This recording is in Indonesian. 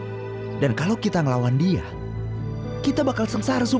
tuh dan kalau kita ngelawan dia kita bakal sengsara suksesnya